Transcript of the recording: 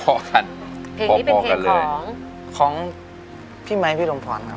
เพลงนี้เป็นเพลงของพี่ไมค์พี่ลมพรครับ